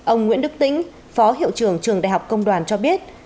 ông nguyễn đức tĩnh phó hiệu trưởng trường đại học công đoàn cho biết